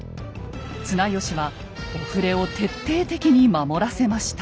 綱吉はお触れを徹底的に守らせました。